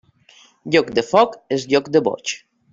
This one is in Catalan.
Joc de foc és joc de boig.